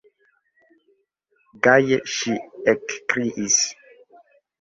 Gaje ŝi ekkriis: